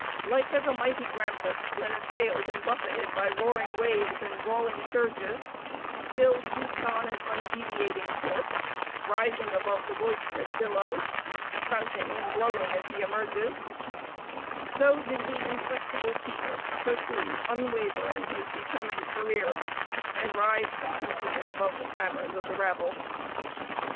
Like as a mighty grampus, when assailed and buffeted by roaring waves and brawling surges, still keeps on an undeviating course, rising above the boisterous billows, spouting and blowing as he emerges, so did the inflexible Peter pursue, unwavering, his determined career, and rise, contemptuous, above the clamors of the rabble.